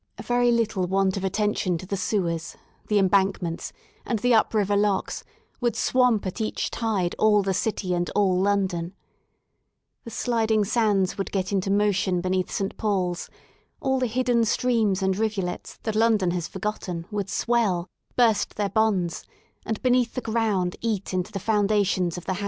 A very little want of attention to the sewers, the embankments and the up river locks would swamp at each tide all the City and all London* The sliding sands would get into motion beneath Saint Paul's ; all the hidden streams and rivulets that London has forgotten would swell, burst their bonds, and be neath the ground eat into the foundations of the houses.